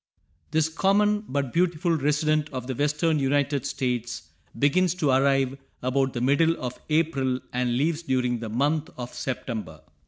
_ This common, but beautiful resident of the western United States begins to arrive about the middle of April and leaves during the month of September.